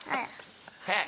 はい。